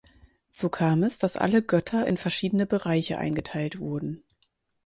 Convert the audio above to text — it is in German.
So kam es, dass alle Götter in verschiedene Bereiche eingeteilt wurden.